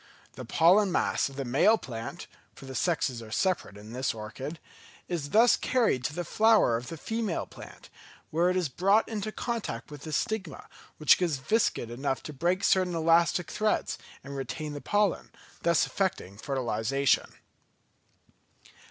The pollen mass of the male plant (for the sexes are separate in this orchid) is thus carried to the flower of the female plant, where it is brought into contact with the stigma, which is viscid enough to break certain elastic threads, and retain the pollen, thus effecting fertilisation.